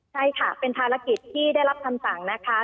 ใช่ค่ะเป็นภารกิจที่ได้รับคำสั่งนะคะ